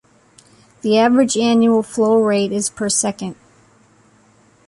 The average annual flow rate is per second.